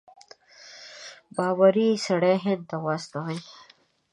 باوري سړی هند ته واستوي.